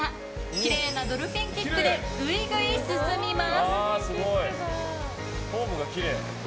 きれいなドルフィンキックでぐいぐい進みます。